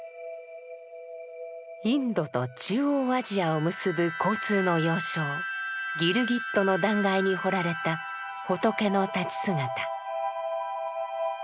インドと中央アジアを結ぶ交通の要衝ギルギットの断崖に彫られた仏の立ち姿。